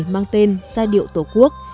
mang tên giai điệu tổ quốc